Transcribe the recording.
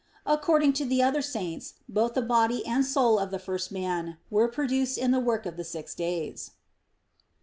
According to the other saints, both the body and soul of the first man were produced in the work of the six days.